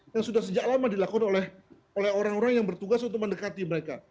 yang sudah sejak lama dilakukan oleh orang orang yang bertugas untuk mendekati mereka